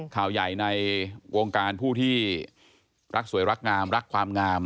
ข่าวใหญ่ในวงการผู้ที่รักสวยรักงามรักความงาม